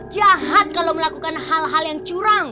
jahat kalau melakukan hal hal yang curang